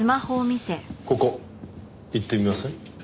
ここ行ってみません？